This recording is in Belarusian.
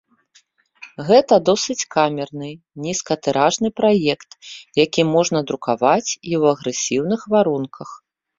Гэта досыць камерны, нізкатыражны праект, які можна друкаваць і ў агрэсіўных варунках.